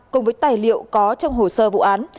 cùng với tài liệu có trong hồ sơ vụ án